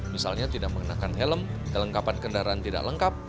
misalnya tidak mengenakan helm kelengkapan kendaraan tidak lengkap